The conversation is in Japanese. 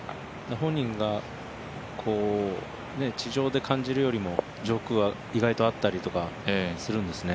本人が、地上で感じるよりも上空は意外とあったりとかするんですね。